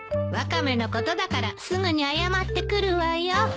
ワカメのことだからすぐに謝ってくるわよ。